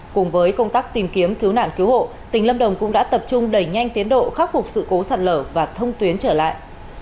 cùng với công tác tìm kiếm cứu nạn cứu hộ tỉnh lâm đồng cũng đã tập trung đẩy nhanh tiến độ khắc phục sự cố sạt lở và thông tuyến trở lại